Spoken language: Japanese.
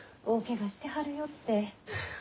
大怪我してはるよって。